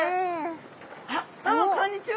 あっどうもこんにちは。